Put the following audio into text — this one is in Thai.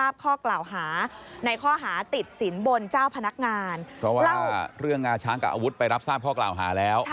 เพราะว่าเรื่องงาช้างกับอาวุธไปรับทราบข้อกล่าวหาแล้ว